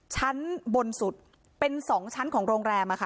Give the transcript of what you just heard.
ชั้นบนสุดเป็น๒ชั้นของโรงแรม